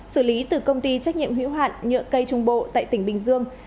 xử lý từ công ty trách nhiệm hữu hạn nhựa cây trung bộ tại tỉnh bình dương